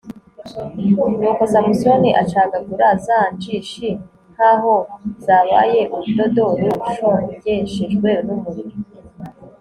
nuko samusoni acagagura za njishi nk'aho zabaye urudodo rushongeshejwe n'umuriro